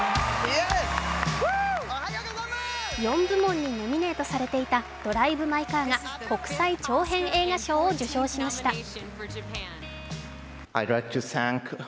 ４部門にノミネートされていた「ドライブ・マイ・カー」が国際長編映画賞を受賞しました。